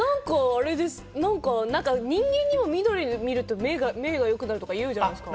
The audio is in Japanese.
人間にも緑を見ると目がよくなるとか言うじゃないですか。